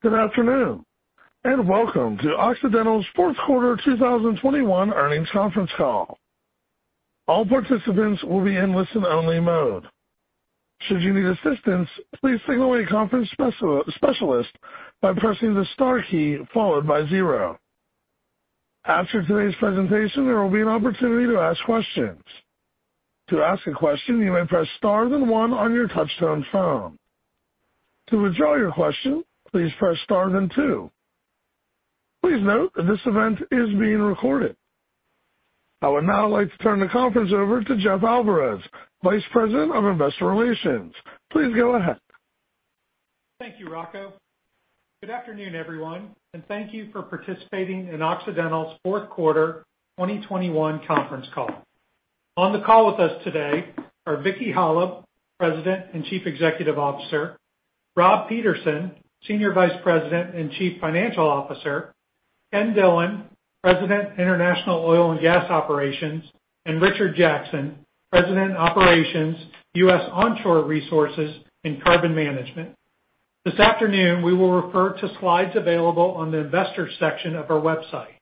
Good afternoon, and welcome to Occidental's fourth quarter 2021 earnings conference call. All participants will be in listen-only mode. Should you need assistance, please signal a conference specialist by pressing the star key followed by 0. After today's presentation, there will be an opportunity to ask questions. To ask a question, you may press star then 1 on your touch-tone phone. To withdraw your question, please press star then 2. Please note that this event is being recorded. I would now like to turn the conference over to Jeff Alvarez, Vice President of Investor Relations. Please go ahead. Thank you, Rocco. Good afternoon, everyone, and thank you for participating in Occidental's fourth quarter 2021 conference call. On the call with us today are Vicki Hollub, President and Chief Executive Officer, Rob Peterson, Senior Vice President and Chief Financial Officer, Ken Dillon, President, International Oil and Gas Operations, and Richard Jackson, President, Operations, US Onshore Resources and Carbon Management. This afternoon, we will refer to slides available on the Investors section of our website.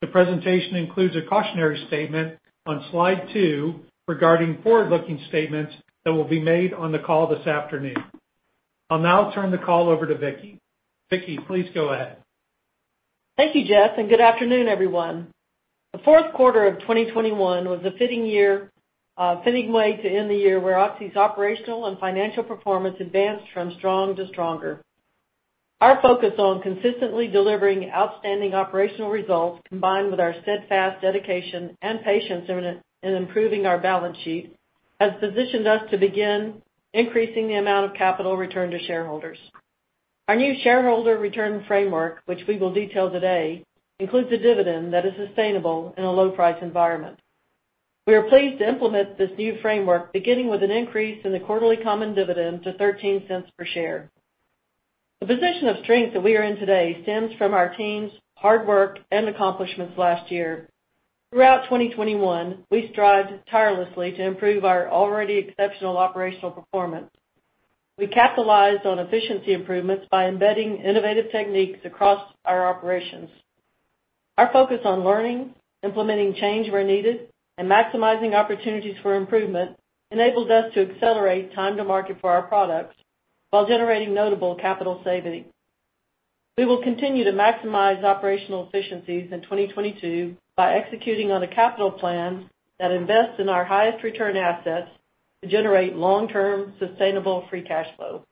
The presentation includes a cautionary statement on slide 2 regarding forward-looking statements that will be made on the call this afternoon. I'll now turn the call over to Vicki. Vicki, please go ahead. Thank you, Jeff, and good afternoon, everyone. The fourth quarter of 2021 was a fitting year, fitting way to end the year where Oxy's operational and financial performance advanced from strong to stronger. Our focus on consistently delivering outstanding operational results, combined with our steadfast dedication and patience in improving our balance sheet, has positioned us to begin increasing the amount of capital returned to shareholders. Our new shareholder return framework, which we will detail today, includes a dividend that is sustainable in a low-price environment. We are pleased to implement this new framework, beginning with an increase in the quarterly common dividend to $0.13 per share. The position of strength that we are in today stems from our team's hard work and accomplishments last year. Throughout 2021, we strived tirelessly to improve our already exceptional operational performance. We capitalized on efficiency improvements by embedding innovative techniques across our operations. Our focus on learning, implementing change where needed, and maximizing opportunities for improvement enabled us to accelerate time to market for our products while generating notable capital savings. We will continue to maximize operational efficiencies in 2022 by executing on a capital plan that invests in our highest return assets to generate long-term, sustainable free cash flow.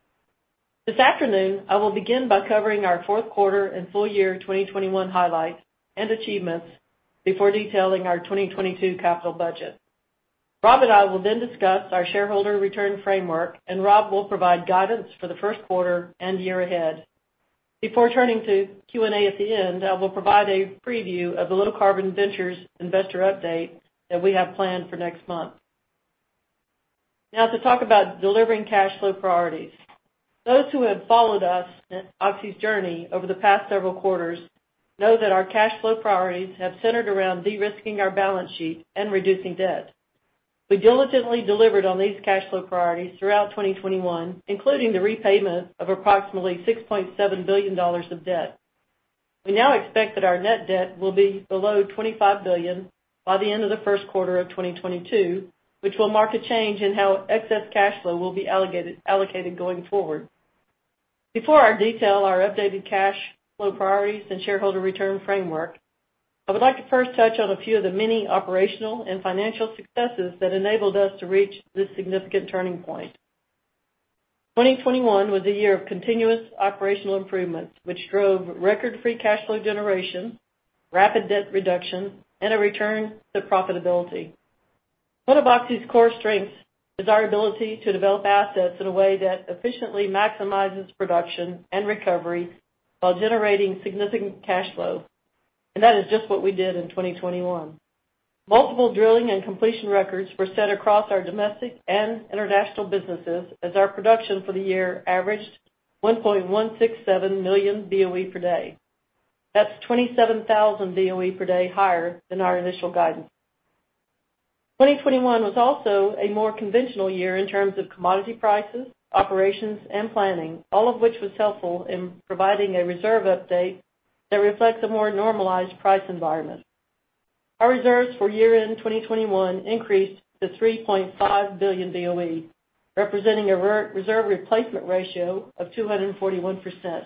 This afternoon, I will begin by covering our fourth quarter and full year 2021 highlights and achievements before detailing our 2022 capital budget. Rob and I will then discuss our shareholder return framework, and Rob will provide guidance for the first quarter and year ahead. Before turning to Q&A at the end, I will provide a preview of the Low Carbon Ventures investor update that we have planned for next month. Now to talk about delivering cash flow priorities. Those who have followed us in Oxy's journey over the past several quarters know that our cash flow priorities have centered around de-risking our balance sheet and reducing debt. We diligently delivered on these cash flow priorities throughout 2021, including the repayment of approximately $6.7 billion of debt. We now expect that our net debt will be below $25 billion by the end of the first quarter of 2022, which will mark a change in how excess cash flow will be allocated going forward. Before I detail our updated cash flow priorities and shareholder return framework, I would like to first touch on a few of the many operational and financial successes that enabled us to reach this significant turning point. 2021 was a year of continuous operational improvements, which drove record free cash flow generation, rapid debt reduction, and a return to profitability. One of Oxy's core strengths is our ability to develop assets in a way that efficiently maximizes production and recovery while generating significant cash flow, and that is just what we did in 2021. Multiple drilling and completion records were set across our domestic and international businesses as our production for the year averaged 1.167 million BOE per day. That's 27,000 BOE per day higher than our initial guidance. 2021 was also a more conventional year in terms of commodity prices, operations, and planning, all of which was helpful in providing a reserve update that reflects a more normalized price environment. Our reserves for year-end 2021 increased to 3.5 billion BOE, representing a reserve replacement ratio of 241%.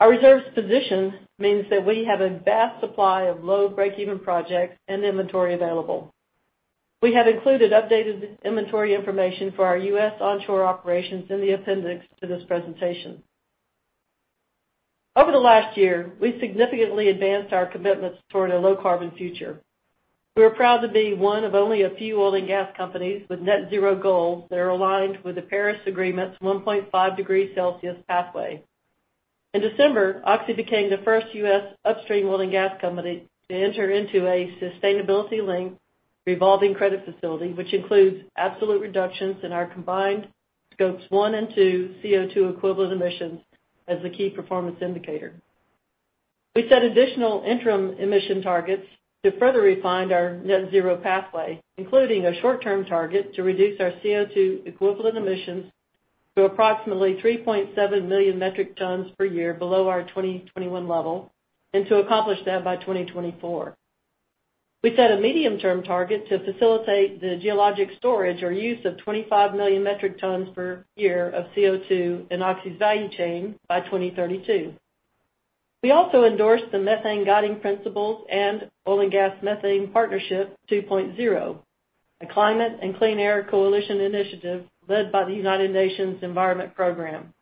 Our reserves position means that we have a vast supply of low break-even projects and inventory available. We have included updated inventory information for our U.S. onshore operations in the appendix to this presentation. Over the last year, we significantly advanced our commitments toward a low-carbon future. We are proud to be one of only a few oil and gas companies with net zero goals that are aligned with the Paris Agreement's 1.5 degrees Celsius pathway. In December, Oxy became the first U.S. upstream oil and gas company to enter into a sustainability-linked revolving credit facility, which includes absolute reductions in our combined Scope 1 and Scope 2 CO2 equivalent emissions as the key performance indicator. We set additional interim emission targets to further refine our net zero pathway, including a short-term target to reduce our CO2 equivalent emissions to approximately 3.7 million metric tons per year below our 2021 level, and to accomplish that by 2024. We set a medium-term target to facilitate the geologic storage or use of 25 million metric tons per year of CO2 in Oxy's value chain by 2032. We also endorsed the Methane Guiding Principles and Oil & Gas Methane Partnership 2.0, a climate and clean air coalition initiative led by the United Nations Environment Programme.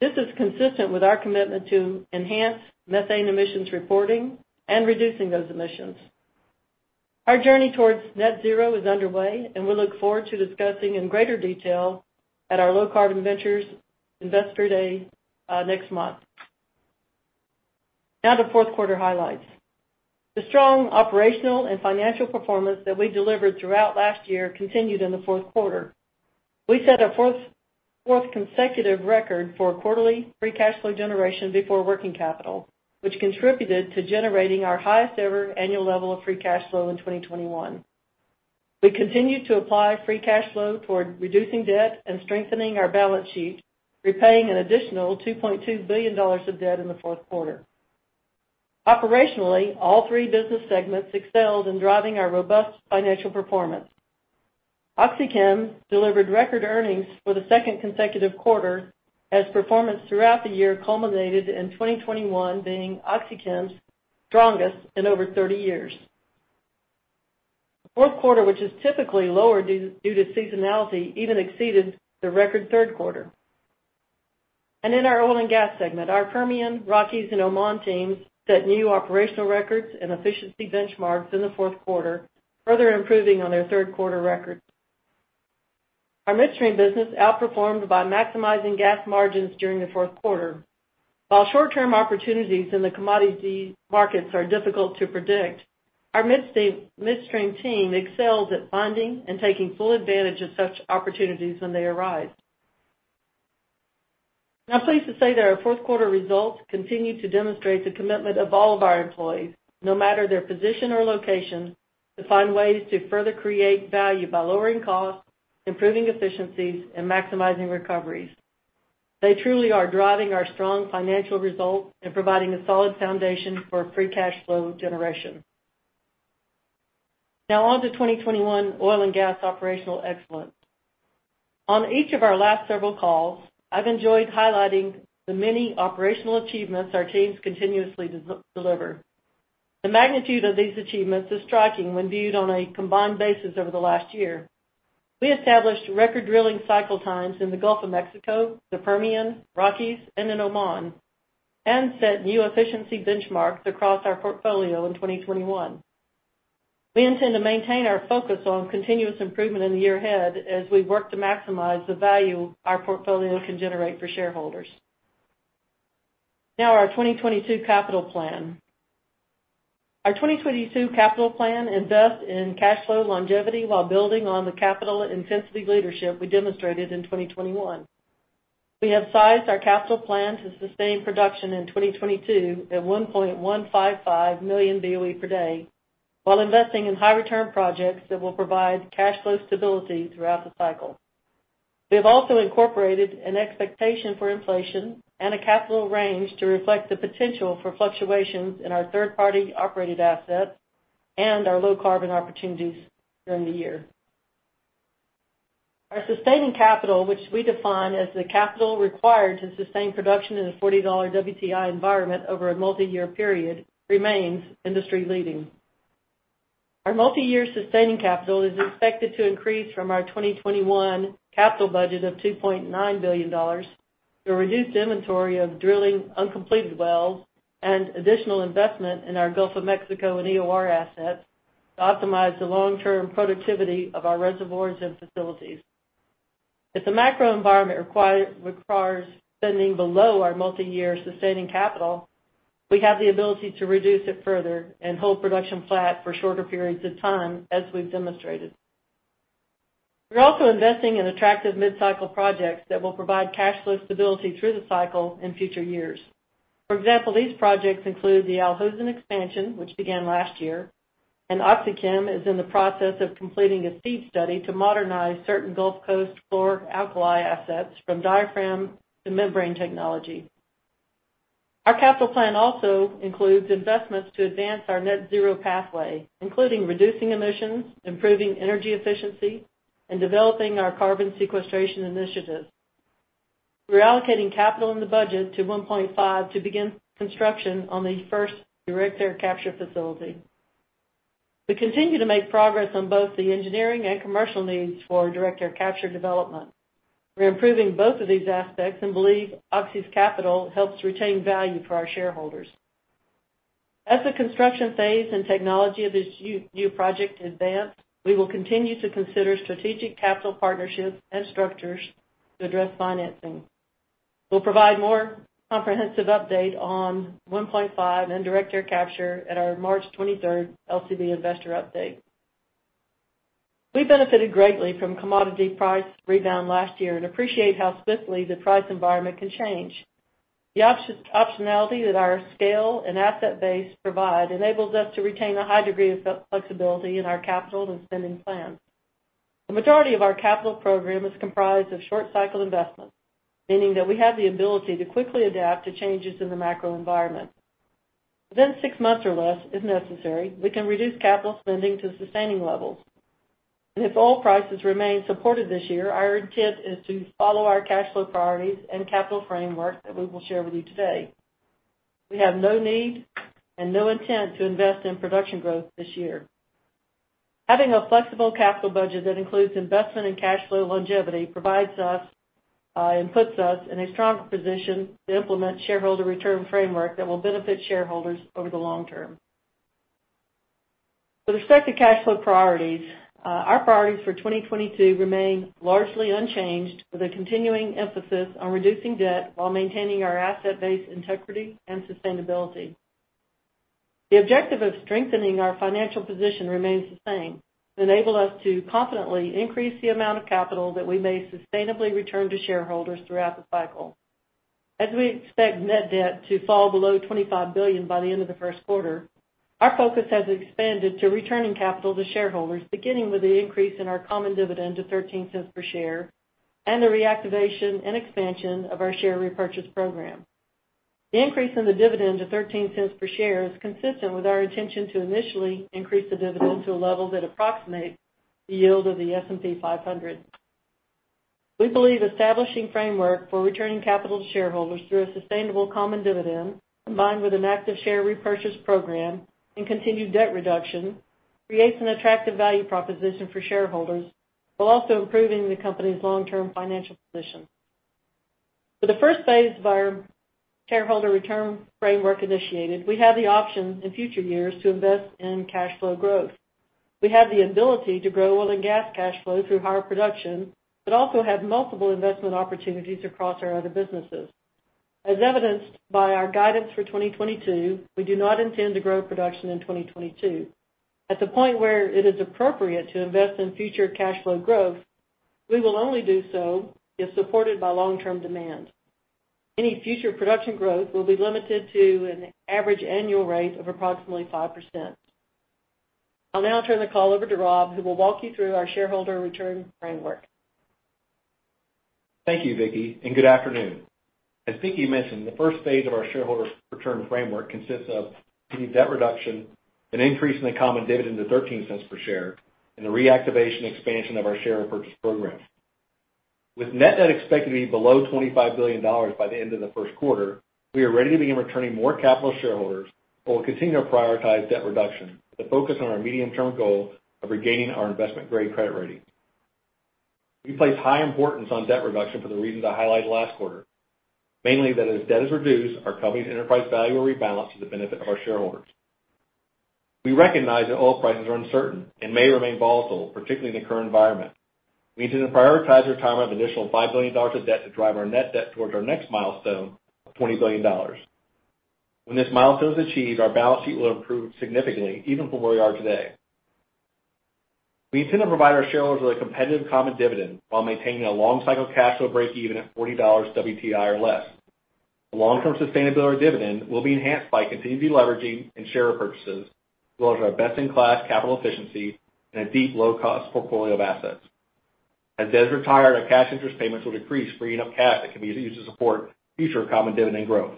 This is consistent with our commitment to enhance methane emissions reporting and reducing those emissions. Our journey towards net zero is underway, and we look forward to discussing in greater detail at our Low Carbon Ventures Investor Day, next month. Now to fourth quarter highlights. The strong operational and financial performance that we delivered throughout last year continued in the fourth quarter. We set a fourth consecutive record for quarterly free cash flow generation before working capital, which contributed to generating our highest ever annual level of free cash flow in 2021. We continued to apply free cash flow toward reducing debt and strengthening our balance sheet, repaying an additional $2.2 billion of debt in the fourth quarter. Operationally, all three business segments excelled in driving our robust financial performance. OxyChem delivered record earnings for the second consecutive quarter as performance throughout the year culminated in 2021 being OxyChem's strongest in over 30 years. The fourth quarter, which is typically lower due to seasonality, even exceeded the record third quarter. In our Oil and Gas segment, our Permian, Rockies and Oman teams set new operational records and efficiency benchmarks in the fourth quarter, further improving on their third quarter records. Our midstream business outperformed by maximizing gas margins during the fourth quarter. While short-term opportunities in the commodity markets are difficult to predict, our midstream team excels at finding and taking full advantage of such opportunities when they arise. I'm pleased to say that our fourth quarter results continue to demonstrate the commitment of all of our employees, no matter their position or location, to find ways to further create value by lowering costs, improving efficiencies, and maximizing recoveries. They truly are driving our strong financial results and providing a solid foundation for free cash flow generation. Now on to 2021 oil and gas operational excellence. On each of our last several calls, I've enjoyed highlighting the many operational achievements our teams continuously deliver. The magnitude of these achievements is striking when viewed on a combined basis over the last year. We established record drilling cycle times in the Gulf of Mexico, the Permian, Rockies, and in Oman, and set new efficiency benchmarks across our portfolio in 2021. We intend to maintain our focus on continuous improvement in the year ahead as we work to maximize the value our portfolio can generate for shareholders. Now our 2022 capital plan. Our 2022 capital plan invests in cash flow longevity while building on the capital intensity leadership we demonstrated in 2021. We have sized our capital plan to sustain production in 2022 at 1.155 million BOE per day, while investing in high return projects that will provide cash flow stability throughout the cycle. We have also incorporated an expectation for inflation and a capital range to reflect the potential for fluctuations in our third-party operated assets and our low carbon opportunities during the year. Our sustaining capital, which we define as the capital required to sustain production in a $40 WTI environment over a multi-year period, remains industry-leading. Our multi-year sustaining capital is expected to increase from our 2021 capital budget of $2.9 billion to a reduced inventory of drilled uncompleted wells and additional investment in our Gulf of Mexico and EOR assets to optimize the long-term productivity of our reservoirs and facilities. If the macro environment requires spending below our multi-year sustaining capital, we have the ability to reduce it further and hold production flat for shorter periods of time, as we've demonstrated. We're also investing in attractive mid-cycle projects that will provide cash flow stability through the cycle in future years. For example, these projects include the Al Hosn expansion, which began last year, and OxyChem is in the process of completing a FEED study to modernize certain Gulf Coast chlor-alkali assets from diaphragm to membrane technology. Our capital plan also includes investments to advance our net zero pathway, including reducing emissions, improving energy efficiency, and developing our carbon sequestration initiatives. We're allocating capital in the budget to 1PointFive to begin construction on the first direct air capture facility. We continue to make progress on both the engineering and commercial needs for our direct air capture development. We're improving both of these aspects and believe Oxy's capital helps retain value for our shareholders. As the construction phase and technology of this new project advance, we will continue to consider strategic capital partnerships and structures to address financing. We'll provide more comprehensive update on 1PointFive and direct air capture at our March 23 LCV investor update. We benefited greatly from commodity price rebound last year and appreciate how swiftly the price environment can change. The optionality that our scale and asset base provide enables us to retain a high degree of flexibility in our capital and spending plans. The majority of our capital program is comprised of short-cycle investments, meaning that we have the ability to quickly adapt to changes in the macro environment. Within six months or less, if necessary, we can reduce capital spending to sustaining levels. If oil prices remain supported this year, our intent is to follow our cash flow priorities and capital framework that we will share with you today. We have no need and no intent to invest in production growth this year. Having a flexible capital budget that includes investment and cash flow longevity provides us and puts us in a stronger position to implement shareholder return framework that will benefit shareholders over the long term. With respect to cash flow priorities, our priorities for 2022 remain largely unchanged, with a continuing emphasis on reducing debt while maintaining our asset base integrity and sustainability. The objective of strengthening our financial position remains the same, to enable us to confidently increase the amount of capital that we may sustainably return to shareholders throughout the cycle. As we expect net debt to fall below $25 billion by the end of the first quarter, our focus has expanded to returning capital to shareholders, beginning with the increase in our common dividend to $0.13 per share, and the reactivation and expansion of our share repurchase program. The increase in the dividend to $0.13 per share is consistent with our intention to initially increase the dividend to a level that approximates the yield of the S&P 500. We believe establishing framework for returning capital to shareholders through a sustainable common dividend, combined with an active share repurchase program and continued debt reduction, creates an attractive value proposition for shareholders while also improving the company's long-term financial position. For the first phase of our shareholder return framework initiated, we have the option in future years to invest in cash flow growth. We have the ability to grow oil and gas cash flow through higher production, but also have multiple investment opportunities across our other businesses. As evidenced by our guidance for 2022, we do not intend to grow production in 2022. At the point where it is appropriate to invest in future cash flow growth, we will only do so if supported by long-term demand. Any future production growth will be limited to an average annual rate of approximately 5%. I'll now turn the call over to Rob, who will walk you through our shareholder return framework. Thank you, Vicki, and good afternoon. As Vicki mentioned, the first phase of our shareholder return framework consists of continued debt reduction, an increase in the common dividend to $0.13 per share, and the reactivation expansion of our share repurchase program. With net debt expected to be below $25 billion by the end of the first quarter, we are ready to begin returning more capital to shareholders, but we'll continue to prioritize debt reduction to focus on our medium-term goal of regaining our investment-grade credit rating. We place high importance on debt reduction for the reasons I highlighted last quarter. Mainly, that as debt is reduced, our company's enterprise value will rebalance to the benefit of our shareholders. We recognize that oil prices are uncertain and may remain volatile, particularly in the current environment. We intend to prioritize retirement of an additional $5 billion of debt to drive our net debt towards our next milestone of $20 billion. When this milestone is achieved, our balance sheet will improve significantly, even from where we are today. We intend to provide our shareholders with a competitive common dividend while maintaining a long-cycle cash flow breakeven at $40 WTI or less. The long-term sustainability of our dividend will be enhanced by continued deleveraging and share repurchases, as well as our best-in-class capital efficiency and a deep, low-cost portfolio of assets. As debts retire, our cash interest payments will decrease, freeing up cash that can be used to support future common dividend growth.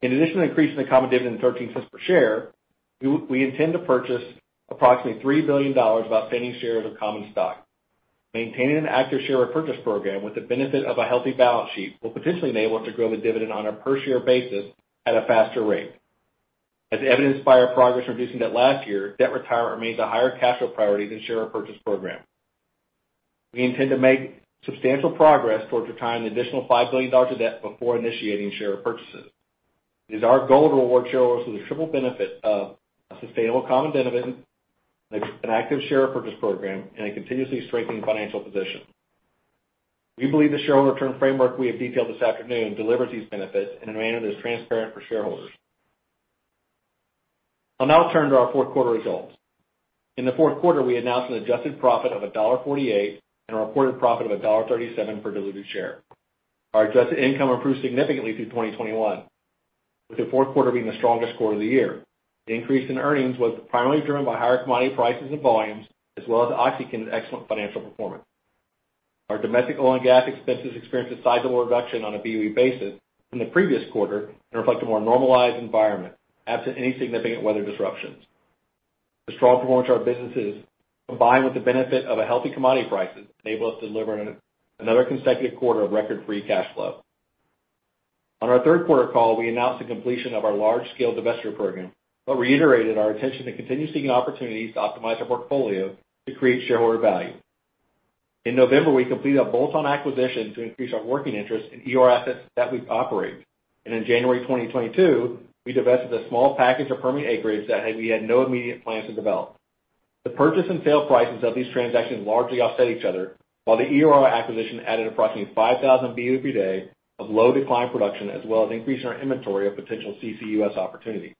In addition to increasing the common dividend to $0.13 per share, we intend to purchase approximately $3 billion of outstanding shares of common stock. Maintaining an active share repurchase program with the benefit of a healthy balance sheet will potentially enable us to grow the dividend on a per-share basis at a faster rate. As evidenced by our progress in reducing debt last year, debt retirement remains a higher cash flow priority than share repurchase program. We intend to make substantial progress towards retiring an additional $5 billion of debt before initiating share repurchases. It is our goal to reward shareholders with the triple benefit of a sustainable common dividend, an active share repurchase program, and a continuously strengthening financial position. We believe the shareholder return framework we have detailed this afternoon delivers these benefits in a manner that is transparent for shareholders. I'll now turn to our fourth quarter results. In the fourth quarter, we announced an adjusted profit of $1.48 and a reported profit of $1.37 per diluted share. Our adjusted income improved significantly through 2021, with the fourth quarter being the strongest quarter of the year. The increase in earnings was primarily driven by higher commodity prices and volumes, as well as OxyChem's excellent financial performance. Our domestic oil and gas expenses experienced a sizable reduction on a BOE basis from the previous quarter and reflect a more normalized environment absent any significant weather disruptions. The strong performance of our businesses, combined with the benefit of a healthy commodity prices, enabled us to deliver another consecutive quarter of record free cash flow. On our third quarter call, we announced the completion of our large-scale divestiture program, but reiterated our intention to continue seeking opportunities to optimize our portfolio to create shareholder value. In November, we completed a bolt-on acquisition to increase our working interest in EOR assets that we operate. In January 2022, we divested a small package of permanent acreage that we had no immediate plans to develop. The purchase and sale prices of these transactions largely offset each other, while the EOR acquisition added approximately 5,000 BOE per day of low decline production as well as increasing our inventory of potential CCUS opportunity.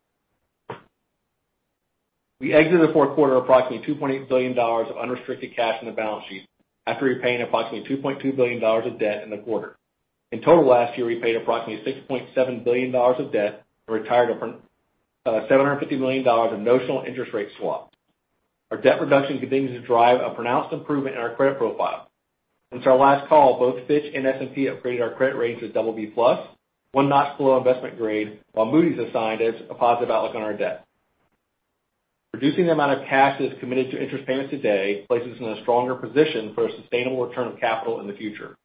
We exited the fourth quarter approximately $2.8 billion of unrestricted cash on the balance sheet after repaying approximately $2.2 billion of debt in the quarter. In total last year, we paid approximately $6.7 billion of debt and retired a $750 million of notional interest rate swap. Our debt reduction continues to drive a pronounced improvement in our credit profile. Since our last call, both Fitch and S&P upgraded our credit ratings to BB+, one notch below investment grade, while Moody's assigned us a positive outlook on our debt. Reducing the amount of cash that is committed to interest payments today places us in a stronger position for a sustainable return of capital in the future.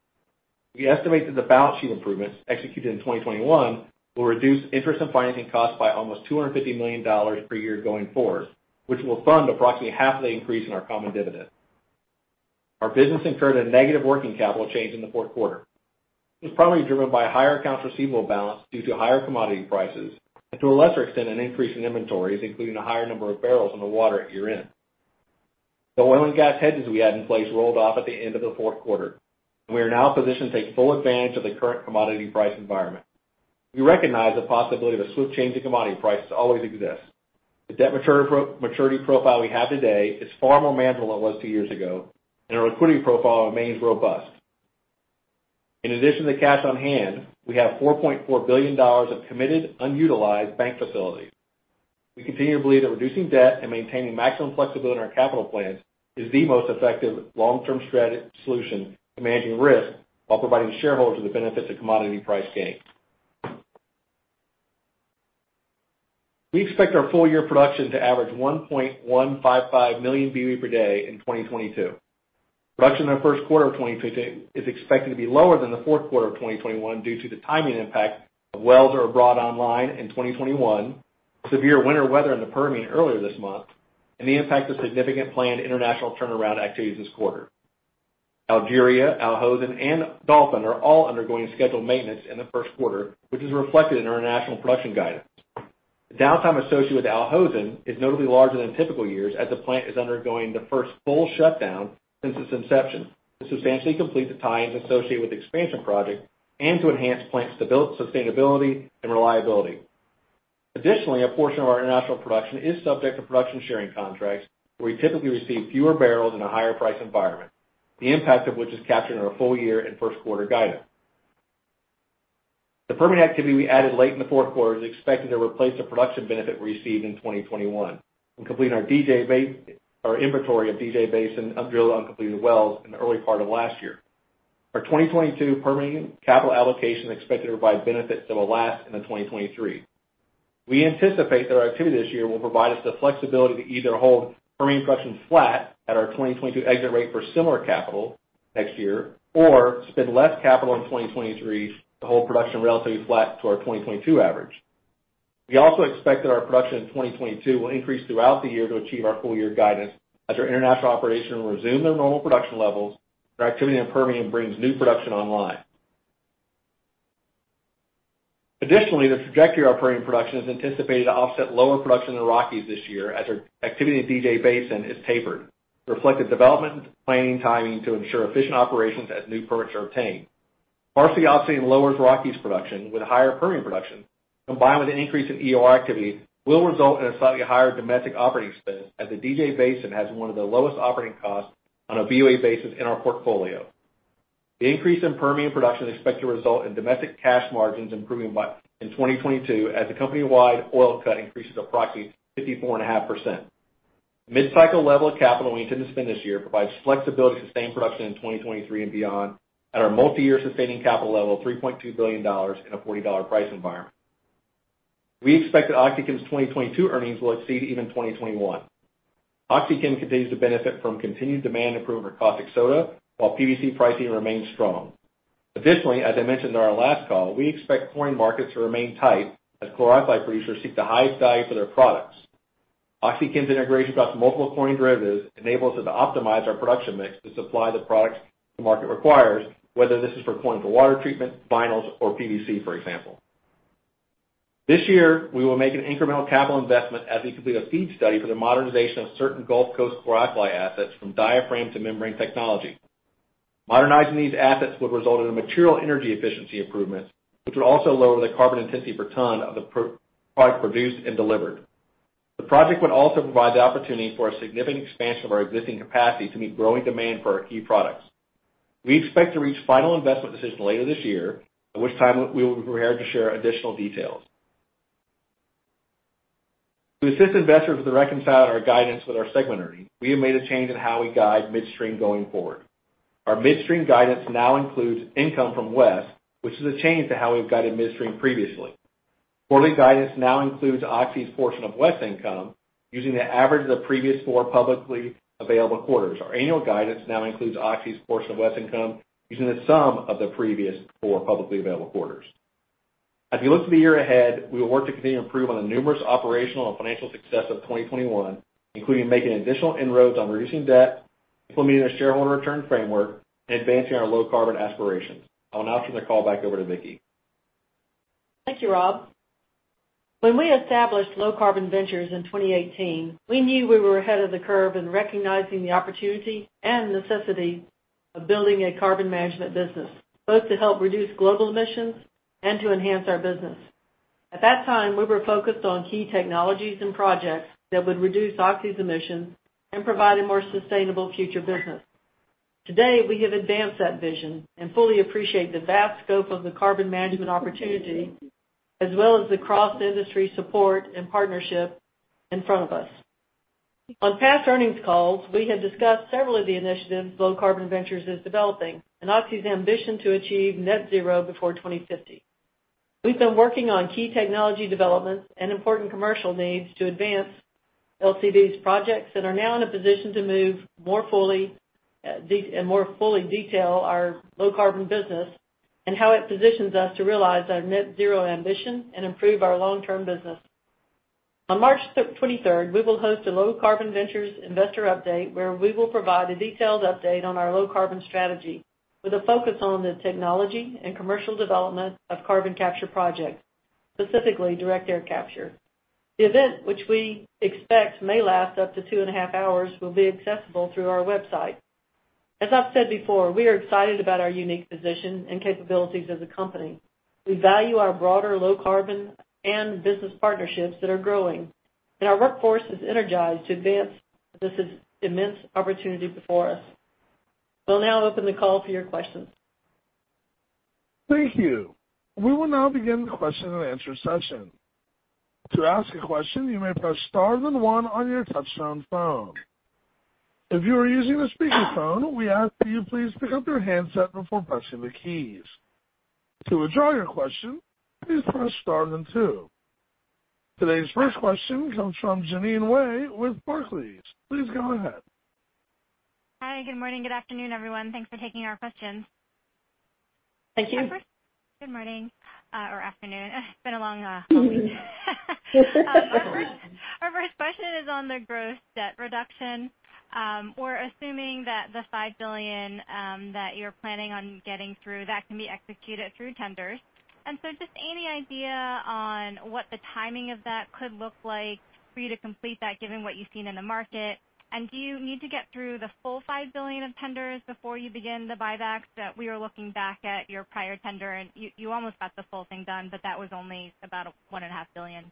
We estimate that the balance sheet improvements executed in 2021 will reduce interest and financing costs by almost $250 million per year going forward, which will fund approximately half of the increase in our common dividend. Our business incurred a negative working capital change in the fourth quarter. This is primarily driven by a higher accounts receivable balance due to higher commodity prices and to a lesser extent, an increase in inventories, including a higher number of barrels on the water at year-end. The oil and gas hedges we had in place rolled off at the end of the fourth quarter, and we are now positioned to take full advantage of the current commodity price environment. We recognize the possibility of a swift change in commodity prices always exists. The debt maturity profile we have today is far more manageable than it was two years ago, and our liquidity profile remains robust. In addition to cash on hand, we have $4.4 billion of committed unutilized bank facilities. We continue to believe that reducing debt and maintaining maximum flexibility in our capital plans is the most effective long-term solution to managing risk while providing shareholders with the benefits of commodity price gains. We expect our full-year production to average 1.155 million BOE per day in 2022. Production in the first quarter of 2022 is expected to be lower than the fourth quarter of 2021 due to the timing impact of wells that were brought online in 2021, severe winter weather in the Permian earlier this month, and the impact of significant planned international turnaround activities this quarter. Algeria, Al Hosn, and Dolphin are all undergoing scheduled maintenance in the first quarter, which is reflected in our international production guidance. The downtime associated with Al Hosn is notably larger than typical years as the plant is undergoing the first full shutdown since its inception to substantially complete the tie-ins associated with the expansion project and to enhance plant stability, sustainability, and reliability. Additionally, a portion of our international production is subject to production sharing contracts, where we typically receive fewer barrels in a higher price environment, the impact of which is captured in our full year and first quarter guidance. The Permian activity we added late in the fourth quarter is expected to replace the production benefit we received in 2021 from completing our inventory of DJ Basin undrilled uncompleted wells in the early part of last year. Our 2022 Permian capital allocation is expected to provide benefits that will last into 2023. We anticipate that our activity this year will provide us the flexibility to either hold Permian production flat at our 2022 exit rate for similar capital next year, or spend less capital in 2023 to hold production relatively flat to our 2022 average. We also expect that our production in 2022 will increase throughout the year to achieve our full year guidance as our international operations resume their normal production levels and our activity in Permian brings new production online. Additionally, the trajectory of our Permian production is anticipated to offset lower production in Rockies this year as our activity in DJ Basin is tapered to reflect the development and planning timing to ensure efficient operations as new permits are obtained. Partially offsetting lower Rockies production with higher Permian production combined with an increase in EOR activity will result in a slightly higher domestic operating spend, as the DJ Basin has one of the lowest operating costs on a BOE basis in our portfolio. The increase in Permian production is expected to result in domestic cash margins improving in 2022 as the company-wide oil cut increases approximately 54.5%. Mid-cycle level of capital we intend to spend this year provides flexibility to sustain production in 2023 and beyond at our multi-year sustaining capital level of $3.2 billion in a $40 price environment. We expect that OxyChem's 2022 earnings will exceed even 2021. OxyChem continues to benefit from continued demand improvement for caustic soda while PVC pricing remains strong. Additionally, as I mentioned on our last call, we expect chlorine markets to remain tight as chlor-alkali producers seek the highest value for their products. OxyChem's integration across multiple chlorine derivatives enables us to optimize our production mix to supply the products the market requires, whether this is for chlorine for water treatment, vinyls, or PVC, for example. This year, we will make an incremental capital investment as we complete a FEED study for the modernization of certain Gulf Coast chlor-alkali assets from diaphragm to membrane technology. Modernizing these assets would result in a material energy efficiency improvement, which would also lower the carbon intensity per ton of the product produced and delivered. The project would also provide the opportunity for a significant expansion of our existing capacity to meet growing demand for our key products. We expect to reach final investment decision later this year, at which time we will be prepared to share additional details. To assist investors with reconciling our guidance with our segment earnings, we have made a change in how we guide midstream going forward. Our midstream guidance now includes income from West, which is a change to how we've guided midstream previously. Quarterly guidance now includes Oxy's portion of West income using the average of the previous four publicly available quarters. Our annual guidance now includes Oxy's portion of West income using the sum of the previous four publicly available quarters. As we look to the year ahead, we will work to continue to improve on the numerous operational and financial success of 2021, including making additional inroads on reducing debt, implementing a shareholder return framework, and advancing our low carbon aspirations. I'll now turn the call back over to Vicki. Thank you, Rob. When we established Low Carbon Ventures in 2018, we knew we were ahead of the curve in recognizing the opportunity and necessity of building a carbon management business, both to help reduce global emissions and to enhance our business. At that time, we were focused on key technologies and projects that would reduce Oxy's emissions and provide a more sustainable future business. Today, we have advanced that vision and fully appreciate the vast scope of the carbon management opportunity, as well as the cross-industry support and partnership in front of us. On past earnings calls, we have discussed several of the initiatives Low Carbon Ventures is developing and Oxy's ambition to achieve net zero before 2050. We've been working on key technology developments and important commercial needs to advance LCV's projects that are now in a position to more fully detail our low carbon business and how it positions us to realize our net zero ambition and improve our long-term business. On March 23, we will host a Low Carbon Ventures investor update, where we will provide a detailed update on our low carbon strategy with a focus on the technology and commercial development of carbon capture projects, specifically direct air capture. The event, which we expect may last up to two and a half hours, will be accessible through our website. As I've said before, we are excited about our unique position and capabilities as a company. We value our broader low carbon and business partnerships that are growing, and our workforce is energized to advance this immense opportunity before us. We'll now open the call for your questions. Thank you. We will now begin the question and answer session. To ask a question, you may press star then 1 on your touch-tone phone. If you are using a speakerphone, we ask that you please pick up your handset before pressing the keys. To withdraw your question, please press star then 2. Today's first question comes from Jeanine Wai with Barclays. Please go ahead. Hi, good morning. Good afternoon, everyone. Thanks for taking our questions. Thank you. Good morning, or afternoon. It's been a long week. Our first question is on the gross debt reduction. We're assuming that the $5 billion that you're planning on getting through that can be executed through tenders. Just any idea on what the timing of that could look like for you to complete that given what you've seen in the market? Do you need to get through the full $5 billion of tenders before you begin the buybacks? When we are looking back at your prior tender and you almost got the full thing done, but that was only about a $1.5 billion?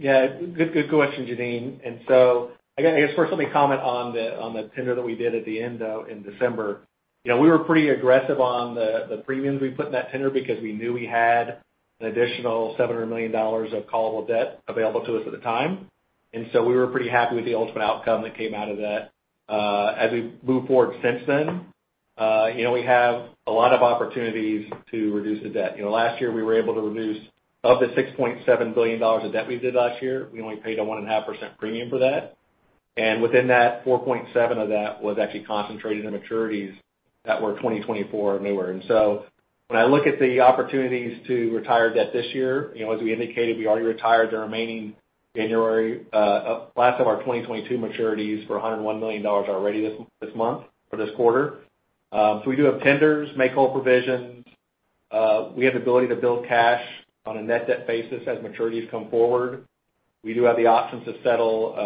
Good question, Jeannine. I guess, first let me comment on the tender that we did in December. You know, we were pretty aggressive on the premiums we put in that tender because we knew we had an additional $700 million of callable debt available to us at the time. We were pretty happy with the ultimate outcome that came out of that. As we move forward since then, you know, we have a lot of opportunities to reduce the debt. You know, last year, we were able to reduce $6.7 billion of debt last year. We only paid a 1.5% premium for that. Within that, $4.7 billion of that was actually concentrated in maturities that were 2024 and newer. When I look at the opportunities to retire debt this year, you know, as we indicated, we already retired the remaining January last of our 2022 maturities for $101 million already this month or this quarter. We do have tenders, make-whole provisions. We have the ability to build cash on a net debt basis as maturities come forward. We do have the option to settle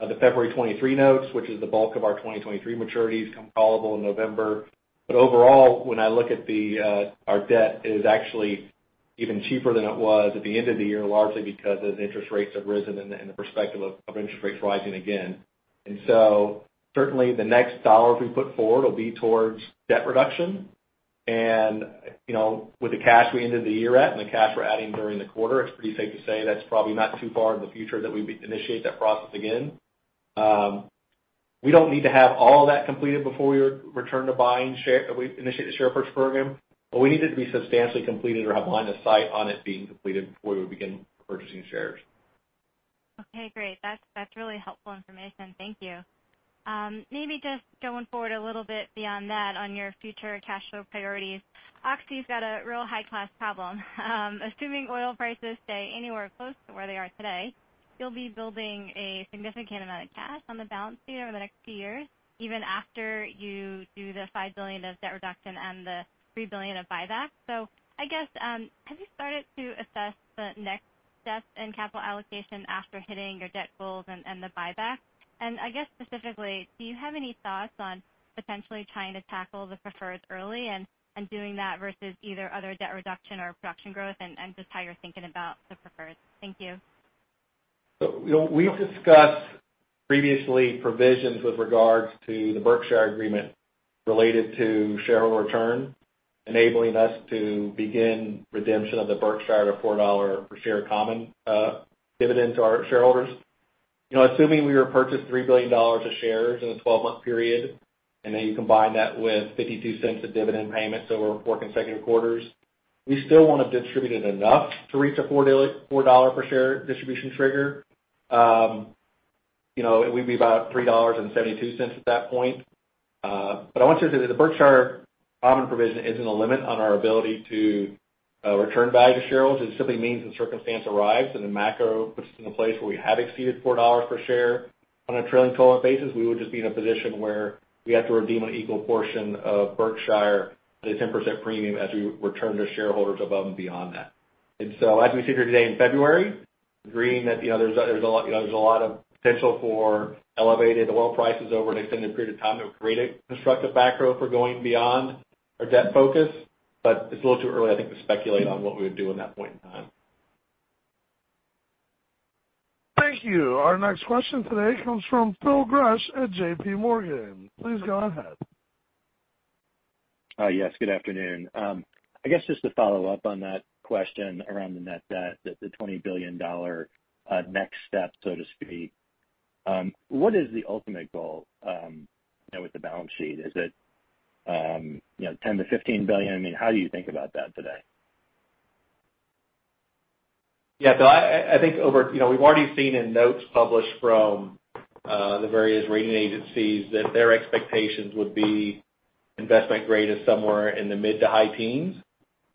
the February 2023 notes, which is the bulk of our 2023 maturities become callable in November. But overall, when I look at our debt, it is actually even cheaper than it was at the end of the year, largely because as interest rates have risen and the prospect of interest rates rising again. Certainly the next dollar we put forward will be towards debt reduction. You know, with the cash we ended the year at and the cash we're adding during the quarter, it's pretty safe to say that's probably not too far in the future that we'd initiate that process again. We don't need to have all that completed before we initiate the share purchase program, but we need it to be substantially completed or have line of sight on it being completed before we begin purchasing shares. Okay, great. That's really helpful information. Thank you. Maybe just going forward a little bit beyond that on your future cash flow priorities. Oxy's got a real high-class problem. Assuming oil prices stay anywhere close to where they are today, you'll be building a significant amount of cash on the balance sheet over the next few years, even after you do the $5 billion of debt reduction and the $3 billion of buyback. I guess, have you started to assess the next steps in capital allocation after hitting your debt goals and the buyback? I guess specifically, do you have any thoughts on potentially trying to tackle the preferreds early and doing that versus either other debt reduction or production growth and just how you're thinking about the preferreds? Thank you. You know, we've discussed previously provisions with regards to the Berkshire agreement related to shareholder return, enabling us to begin redemption of the Berkshire at a $4 per share common dividend to our shareholders. You know, assuming we repurchased $3 billion of shares in a 12-month period, and then you combine that with $0.52 dividend payment over 4 consecutive quarters, we still wanna distribute it enough to reach a $4 per share distribution trigger. You know, it would be about $3.72 at that point. But the Berkshire common provision isn't a limit on our ability to return value to shareholders. It simply means the circumstance arrives and the macro puts us in a place where we have exceeded $4 per share on a trailing twelve-month basis. We would just be in a position where we have to redeem an equal portion of Berkshire at a 10% premium as we return to shareholders above and beyond that. As we sit here today in February, agreeing that, you know, there's a lot of potential for elevated oil prices over an extended period of time that would create a constructive macro for going beyond our debt focus. But it's a little too early, I think, to speculate on what we would do in that point in time. Thank you. Our next question today comes from Phil Gresh at J.P. Morgan. Please go ahead. Hi, yes, good afternoon. I guess just to follow up on that question around the net debt, that the $20 billion dollar next step, so to speak, what is the ultimate goal, you know, with the balance sheet? Is it, you know, $10 billion-$15 billion? I mean, how do you think about that today? Yeah. I think over you know, we've already seen in notes published from the various rating agencies that their expectations would be investment grade is somewhere in the mid- to high-teens.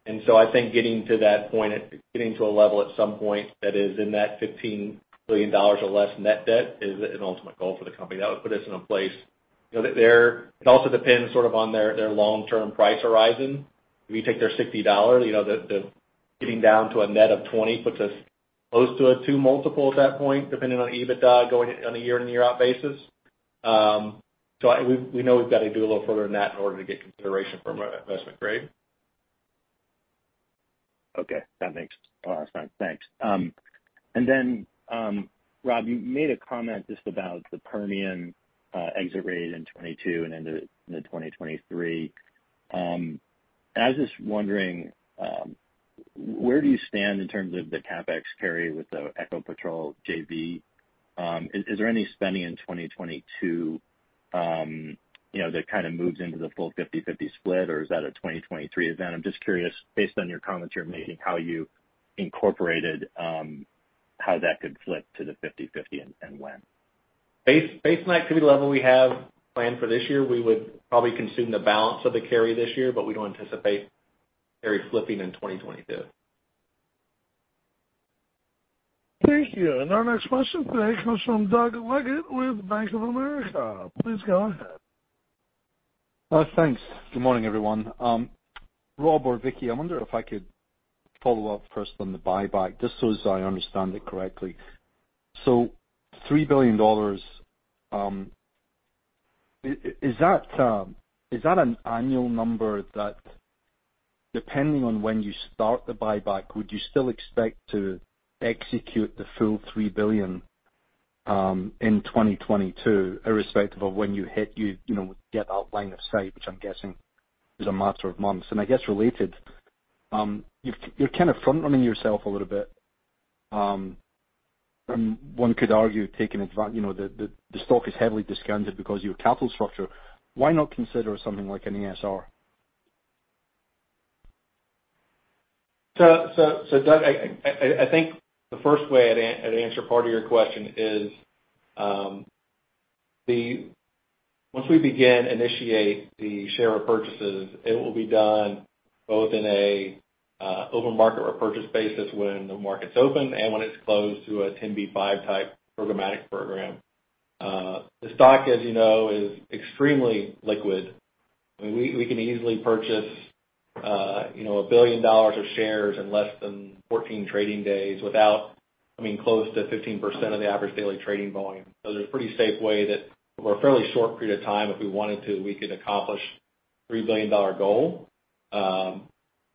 I think getting to that point, getting to a level at some point that is in that $15 billion or less net debt is an ultimate goal for the company. That would put us in a place, you know. It also depends sort of on their long-term price horizon. If you take their $60, you know, getting down to a net of $20 billion puts us close to a 2x at that point, depending on EBITDA going on a year-on-year out basis. We know we've got to do a little further than that in order to get consideration for investment grade. Okay, that makes a lot of sense. Thanks. Rob, you made a comment just about the Permian exit rate in 2022 and into mid-2023. I was just wondering, where do you stand in terms of the CapEx carry with the Ecopetrol JV? Is there any spending in 2022, you know, that kind of moves into the full 50/50 split, or is that a 2023 event? I'm just curious, based on your comments you're making, how you incorporated, how that could flip to the 50/50 and when. Based on the activity level we have planned for this year, we would probably consume the balance of the carry this year, but we don't anticipate carry flipping in 2022. Thank you. Our next question today comes from Doug Leggate with Bank of America. Please go ahead. Thanks. Good morning, everyone. Rob or Vicki, I wonder if I could follow up first on the buyback, just so as I understand it correctly. $3 billion, is that an annual number that depending on when you start the buyback, would you still expect to execute the full $3 billion in 2022, irrespective of when you hit, you know, get that line of sight, which I'm guessing is a matter of months? I guess related, you're kind of front running yourself a little bit, and one could argue you know, the stock is heavily discounted because your capital structure. Why not consider something like an ESR? Doug, I think the first way I'd answer part of your question is, once we begin initiate the share repurchases, it will be done both in a open market repurchase basis when the market's open and when it's closed to a ten by five type programmatic program. The stock, as you know, is extremely liquid. I mean, we can easily purchase, you know, $1 billion of shares in less than 14 trading days without, I mean, close to 15% of the average daily trading volume. There's a pretty safe way that over a fairly short period of time, if we wanted to, we could accomplish $3 billion goal.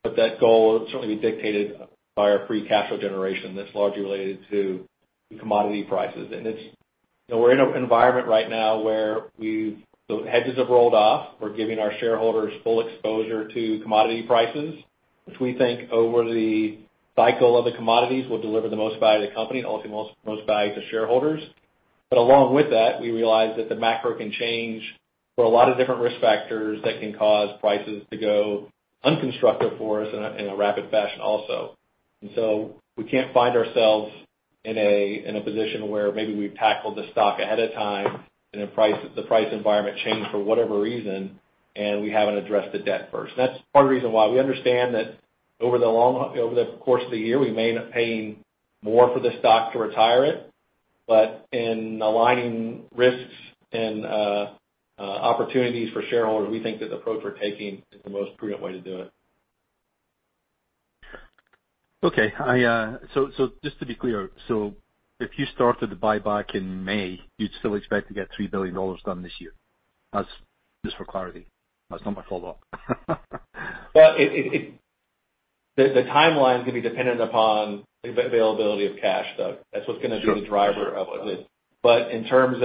But that goal will certainly be dictated by our free cash flow generation that's largely related to the commodity prices. It's, you know, we're in an environment right now where the hedges have rolled off. We're giving our shareholders full exposure to commodity prices, which we think over the cycle of the commodities, will deliver the most value to company and ultimately most value to shareholders. Along with that, we realize that the macro can change. There are a lot of different risk factors that can cause prices to go unconstructive for us in a rapid fashion also. We can't find ourselves in a position where maybe we've tackled the stock ahead of time and the price environment changed for whatever reason, and we haven't addressed the debt first. That's part of the reason why we understand that over the course of the year, we may end up paying more for the stock to retire it. In aligning risks and opportunities for shareholders, we think that the approach we're taking is the most prudent way to do it. Okay. Just to be clear, so if you started the buyback in May, you'd still expect to get $3 billion done this year? That's just for clarity. That's not my follow-up. Well, the timeline is gonna be dependent upon availability of cash, Doug. That's what's gonna be the driver of this. In terms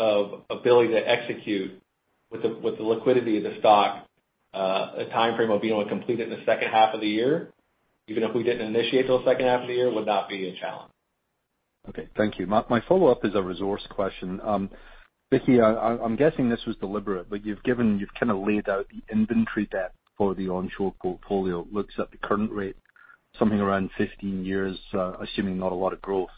of ability to execute with the liquidity of the stock, a timeframe of being able to complete it in the second half of the year, even if we didn't initiate till the second half of the year, would not be a challenge. Okay. Thank you. My follow-up is a resource question. Vicki, I'm guessing this was deliberate, but you've kind of laid out the inventory debt for the onshore portfolio. It looks at the current rate something around 15 years, assuming not a lot of growth.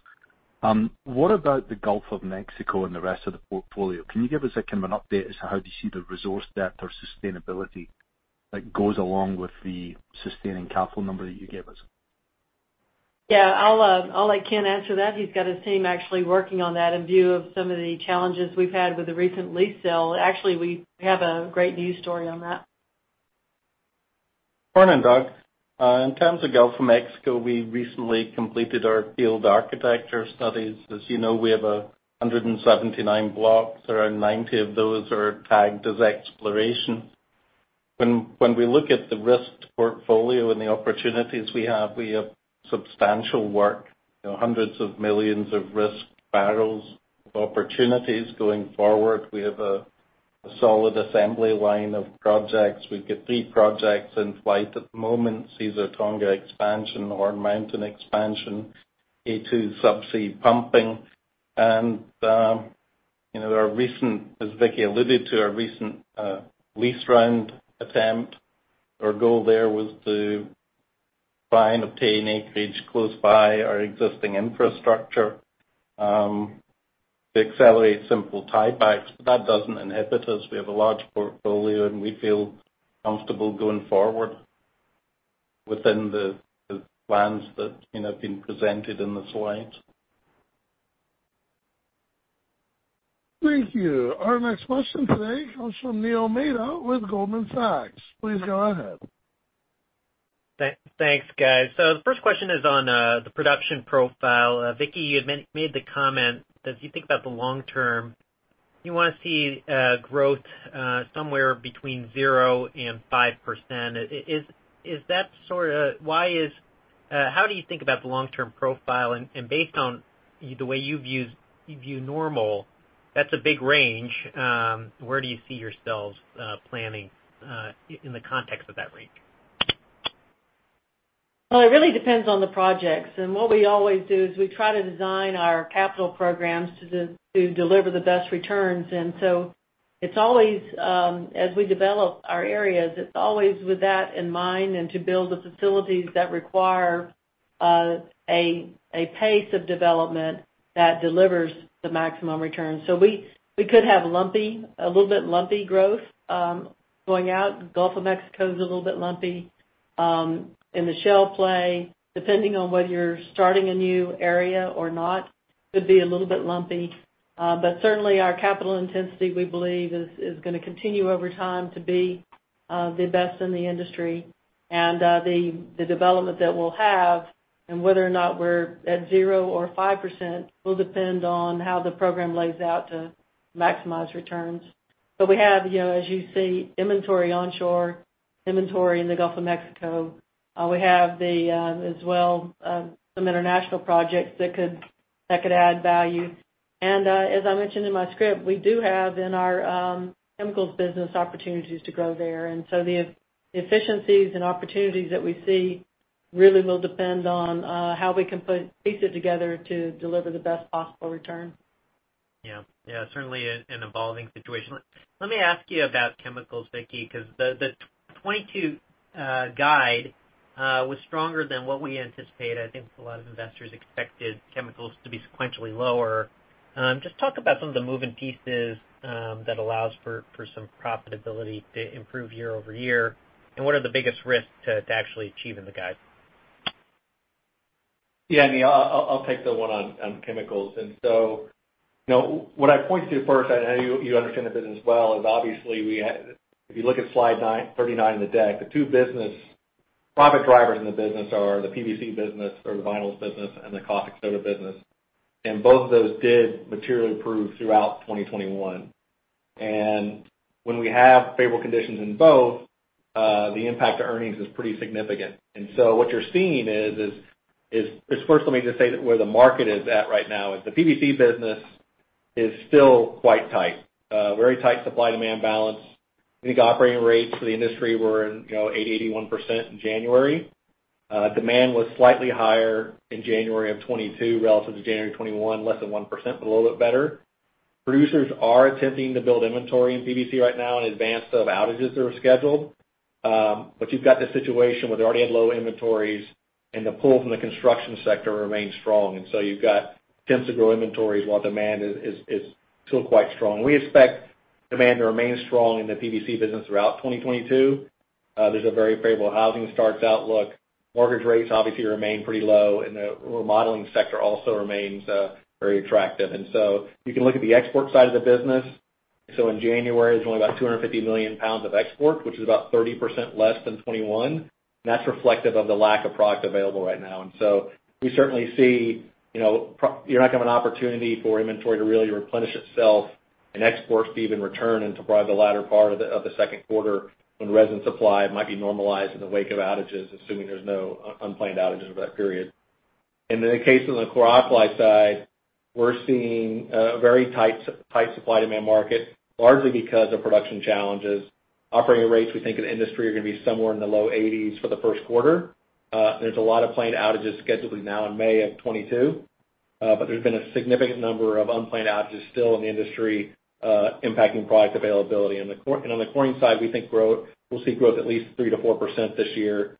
What about the Gulf of Mexico and the rest of the portfolio? Can you give us kind of an update as to how do you see the resource depth or sustainability that goes along with the sustaining capital number that you gave us? Yeah, I'll let Ken answer that. He's got his team actually working on that in view of some of the challenges we've had with the recent lease sale. Actually, we have a great news story on that. Morning, Doug. In terms of Gulf of Mexico, we recently completed our field architecture studies. As you know, we have 179 blocks. Around 90 of those are tagged as exploration. When we look at the risk portfolio and the opportunities we have, we have substantial work, you know, hundreds of millions of risked barrels of opportunities going forward. We have a solid assembly line of projects. We've got three projects in flight at the moment, Caesar Tonga Expansion, Horn Mountain Expansion, K2 subsea pumping. Our recent, as Vicki alluded to, lease round attempt, our goal there was to try and obtain acreage close by our existing infrastructure, to accelerate simple tie-backs. That doesn't inhibit us. We have a large portfolio, and we feel comfortable going forward within the plans that, you know, have been presented in the slides. Thank you. Our next question today comes from Neil Mehta with Goldman Sachs. Please go ahead. Thanks, guys. The first question is on the production profile. Vicki, you had made the comment that if you think about the long term, you wanna see growth somewhere between 0%-5%. Is that sort of why how do you think about the long-term profile? Based on the way you view normal, that's a big range. Where do you see yourselves planning in the context of that range? Well, it really depends on the projects. What we always do is we try to design our capital programs to deliver the best returns. It's always, as we develop our areas, it's always with that in mind and to build the facilities that require a pace of development that delivers the maximum return. We could have lumpy, a little bit lumpy growth going out. Gulf of Mexico is a little bit lumpy. In the shale play, depending on whether you're starting a new area or not, could be a little bit lumpy. But certainly our capital intensity, we believe is gonna continue over time to be the best in the industry. The development that we'll have and whether or not we're at 0% or 5% will depend on how the program lays out to maximize returns. We have, you know, as you see, inventory onshore, inventory in the Gulf of Mexico. We have, as well, some international projects that could add value. As I mentioned in my script, we do have in our chemicals business opportunities to grow there. The efficiencies and opportunities that we see really will depend on how we can put pieces together to deliver the best possible return. Yeah. Yeah, certainly an evolving situation. Let me ask you about chemicals, Vicki, 'cause the 2022 guide was stronger than what we anticipated. I think a lot of investors expected chemicals to be sequentially lower. Just talk about some of the moving pieces that allows for some profitability to improve year-over-year, and what are the biggest risks to actually achieving the guide? Yeah, Neil, I'll take the one on chemicals. You know, what I'd point to first, I know you understand the business well, is obviously if you look at slide 39 in the deck, the two business profit drivers in the business are the PVC business or the vinyls business and the caustic soda business, and both of those did materially improve throughout 2021. When we have favorable conditions in both, the impact to earnings is pretty significant. What you're seeing is first, let me just say that where the market is at right now is the PVC business is still quite tight, very tight supply-demand balance. I think operating rates for the industry were in 81% in January. Demand was slightly higher in January 2022 relative to January 2021, less than 1%, but a little bit better. Producers are attempting to build inventory in PVC right now in advance of outages that are scheduled. You've got this situation where they already had low inventories and the pull from the construction sector remains strong. You've got attempts to grow inventories while demand is still quite strong. We expect demand to remain strong in the PVC business throughout 2022. There's a very favorable housing starts outlook. Mortgage rates obviously remain pretty low, and the remodeling sector also remains very attractive. You can look at the export side of the business. In January, there's only about 250 million pounds of exports, which is about 30% less than 2021. That's reflective of the lack of product available right now. We certainly see you're not gonna have an opportunity for inventory to really replenish itself and exports to even return until probably the latter part of the second quarter when resin supply might be normalized in the wake of outages, assuming there's no unplanned outages over that period. In the case of the chlor-alkali side, we're seeing a very tight supply demand market, largely because of production challenges. Operating rates, we think in the industry are gonna be somewhere in the low 80s for the first quarter. There's a lot of planned outages scheduled now in May 2022, but there's been a significant number of unplanned outages still in the industry, impacting product availability. On the chlorine side, we'll see growth at least 3%-4% this year.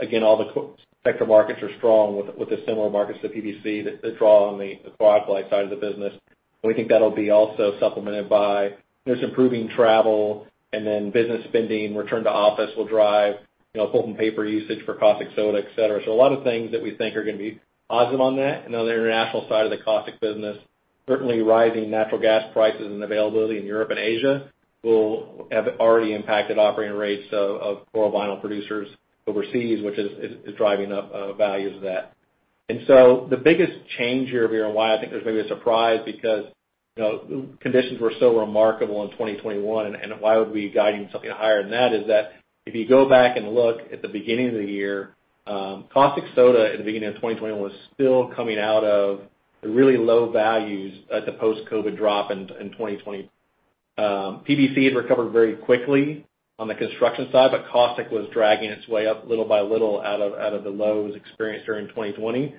Again, all the chlor sector markets are strong with the similar markets to PVC that draw on the chlor-alkali side of the business. We think that'll be also supplemented by just improving travel and then business spending. Return to office will drive, you know, pulp and paper usage for caustic soda, et cetera. A lot of things that we think are gonna be positive on that. On the international side of the caustic business, certainly rising natural gas prices and availability in Europe and Asia will have already impacted operating rates of chlorovinyl producers overseas, which is driving up values of that. The biggest change here, Viren, why I think there's maybe a surprise because, you know, conditions were so remarkable in 2021 and why would we be guiding something higher than that is that if you go back and look at the beginning of the year, caustic soda at the beginning of 2021 was still coming out of really low values at the post-COVID drop in 2020. PVC had recovered very quickly on the construction side, but caustic was dragging its way up little by little out of the lows experienced during 2020.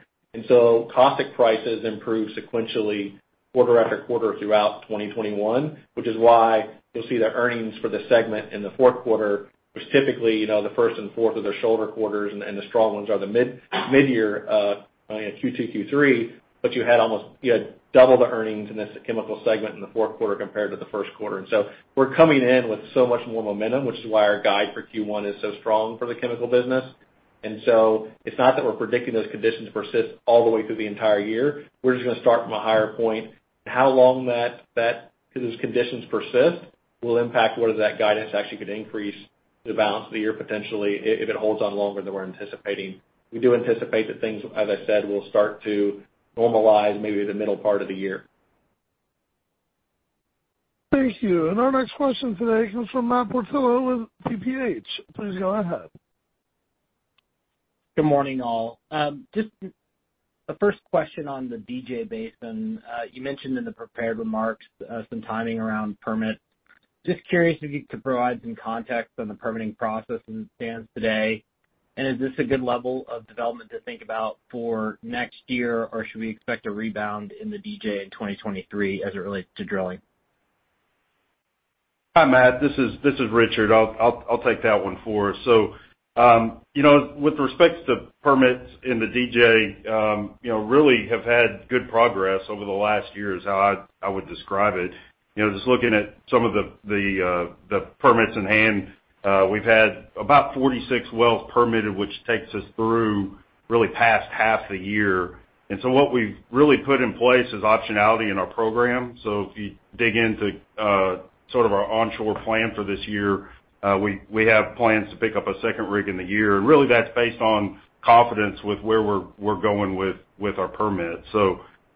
Caustic prices improved sequentially quarter after quarter throughout 2021, which is why you'll see the earnings for the segment in the fourth quarter, which typically, you know, the first and fourth are the shoulder quarters and the strong ones are the midyear, you know, Q2, Q3. You had almost double the earnings in this chemical segment in the fourth quarter compared to the first quarter. We're coming in with so much more momentum, which is why our guide for Q1 is so strong for the chemical business. It's not that we're predicting those conditions persist all the way through the entire year. We're just gonna start from a higher point. How long those conditions persist will impact whether that guidance actually could increase the balance of the year potentially if it holds on longer than we're anticipating. We do anticipate that things, as I said, will start to normalize maybe the middle part of the year. Thank you. Our next question today comes from Matt Portillo with TPH. Please go ahead. Good morning, all. Just the first question on the DJ Basin. You mentioned in the prepared remarks some timing around permitting. Just curious if you could provide some context on the permitting process and where it stands today. Is this a good level of development to think about for next year, or should we expect a rebound in the DJ in 2023 as it relates to drilling? Hi, Matt. This is Richard. I'll take that one for us. You know, with respect to permits in the DJ, you know, we really have had good progress over the last year, is how I would describe it. You know, just looking at some of the permits in hand, we've had about 46 wells permitted, which takes us through really past half the year. What we've really put in place is optionality in our program. If you dig into sort of our onshore plan for this year, we have plans to pick up a second rig in the year. Really that's based on confidence with where we're going with our permits.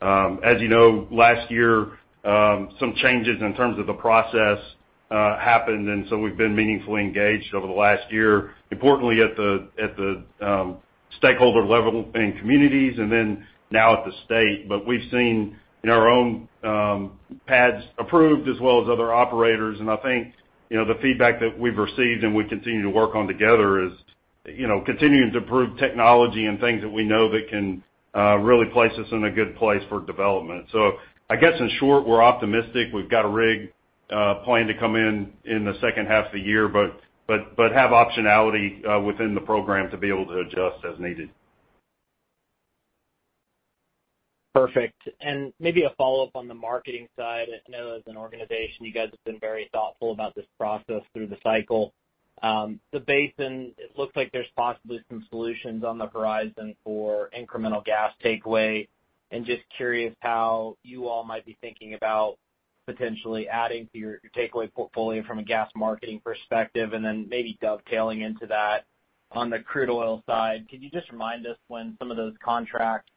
As you know, last year some changes in terms of the process happened, and we've been meaningfully engaged over the last year, importantly at the stakeholder level in communities and then now at the state. We've seen in our own pads approved as well as other operators. I think, you know, the feedback that we've received and we continue to work on together is, you know, continuing to improve technology and things that we know that can really place us in a good place for development. I guess, in short, we're optimistic. We've got a rig planned to come in in the second half of the year, but have optionality within the program to be able to adjust as needed. Perfect. Maybe a follow-up on the marketing side. I know as an organization, you guys have been very thoughtful about this process through the cycle. The basin, it looks like there's possibly some solutions on the horizon for incremental gas takeaway. Just curious how you all might be thinking about potentially adding to your takeaway portfolio from a gas marketing perspective, and then maybe dovetailing into that. On the crude oil side, can you just remind us when some of those contracts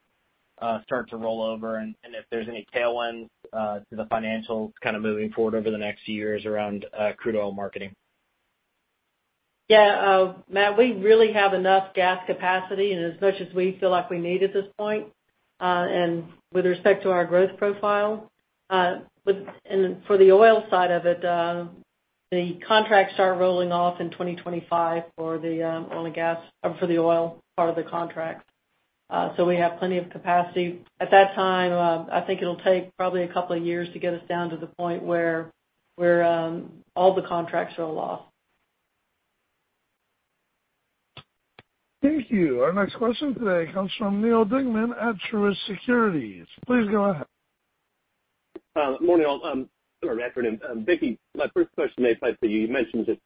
start to roll over and if there's any tailwinds to the financials kind of moving forward over the next few years around crude oil marketing? Yeah, Matt, we really have enough gas capacity and as much as we feel like we need at this point, and with respect to our growth profile. For the oil side of it, the contracts start rolling off in 2025 for the oil and gas, for the oil part of the contract. We have plenty of capacity. At that time, I think it'll take probably a couple of years to get us down to the point where all the contracts roll off. Thank you. Our next question today comes from Neal Dingmann at Truist Securities. Please go ahead. Morning, all. Or good afternoon. Vicki, my first question may apply to you. You mentioned just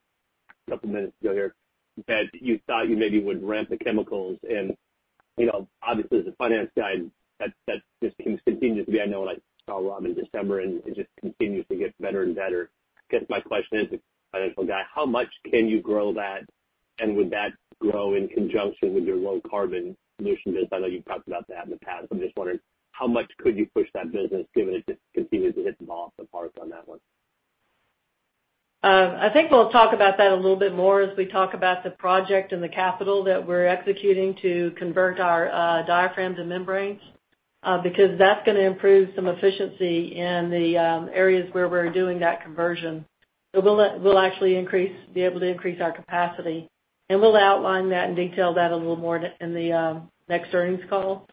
a couple of minutes ago here that you thought you maybe would ramp the chemicals. You know, obviously as a finance guy, that just seems continuously. I know when I saw Rob in December, and it just continues to get better and better. I guess my question is, as a financial guy, how much can you grow that? Would that grow in conjunction with your low carbon solution business? I know you've talked about that in the past. I'm just wondering how much could you push that business given it just continues to hit the ball out the park on that one. I think we'll talk about that a little bit more as we talk about the project and the capital that we're executing to convert our diaphragms and membranes because that's gonna improve some efficiency in the areas where we're doing that conversion. We'll actually be able to increase our capacity. We'll outline that and detail that a little more in the next earnings call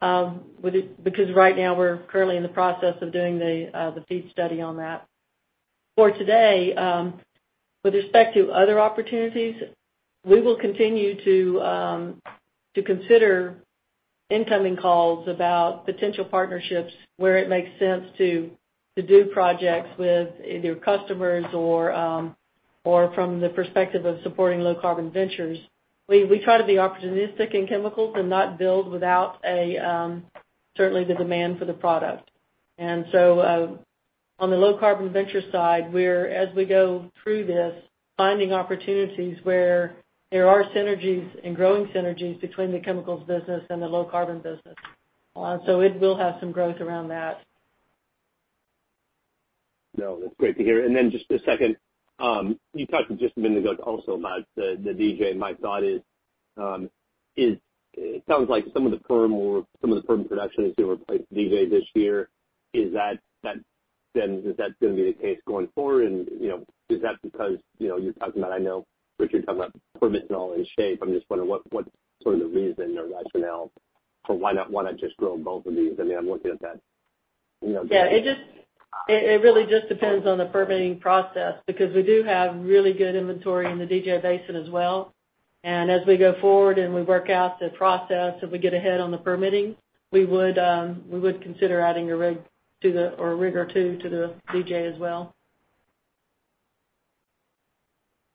because right now we're currently in the process of doing the FEED study on that. For today, with respect to other opportunities, we will continue to consider incoming calls about potential partnerships where it makes sense to do projects with either customers or from the perspective of supporting low-carbon ventures. We try to be opportunistic in chemicals and not build without certainly the demand for the product. On the low-carbon venture side, we're as we go through this, finding opportunities where there are synergies and growing synergies between the chemicals business and the low-carbon business. So it will have some growth around that. No, that's great to hear. Just a second, you talked just a minute ago also about the DJ. My thought is, it sounds like some of the Permian production is gonna replace DJ this year. Is that gonna be the case going forward? You know, is that because, you know, you're talking about. I know, Richard, you're talking about the Permian all in shape. I'm just wondering what's sort of the reason or rationale for why not just grow both of these? I mean, I'm looking at that, you know- Yeah, it really just depends on the permitting process because we do have really good inventory in the DJ Basin as well. As we go forward and we work out the process, if we get ahead on the permitting, we would consider adding a rig or two to the DJ as well.